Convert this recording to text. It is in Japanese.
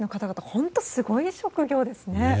本当にすごい職業ですね。